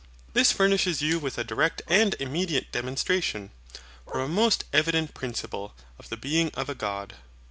This furnishes you with a direct and immediate demonstration, from a most evident principle, of the BEING OF A GOD.